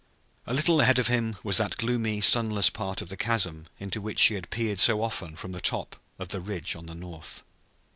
A little ahead of him was that gloomy, sunless part of the chasm into which he had peered so often from the top of the ridge on the north.